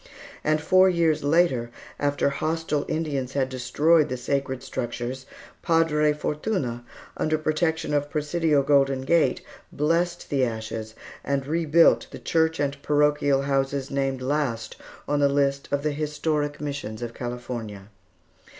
And four years later, after hostile Indians had destroyed the sacred structures, Padre Fortune, under protection of Presidio Golden Gate, blessed the ashes and rebuilt the church and the parochial houses named last on the list of the historic Missions of California.